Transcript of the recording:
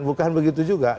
bukan begitu juga